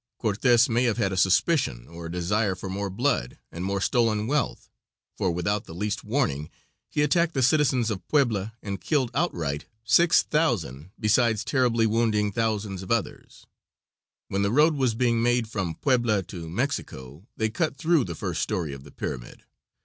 Cortes may have had a suspicion, or a desire for more blood and more stolen wealth, for without the least warning, he attacked the citizens of Puebla and killed outright 6,000 besides terribly wounding thousands of others. When the road was being made from Puebla to Mexico they cut through the first story of the pyramid.